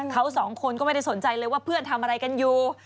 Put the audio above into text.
เขาสองคนก็ไม่ได้สนใจเลยว่าเพื่อนทำอะไรกันอยู่